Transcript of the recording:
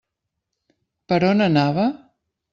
Per on anava?